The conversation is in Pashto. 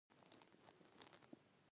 په جبین مې د تیارو یرغل راغلی